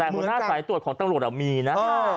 แต่หัวหน้าสายตรวจของตำรวจมีนะ